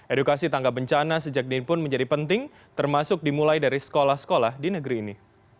edukasi tangga bencana sejak dini pun menjadi penting termasuk dimulai dari sekolah sekolah di negeri ini